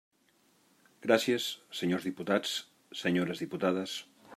Gràcies, senyors diputats, senyores diputades.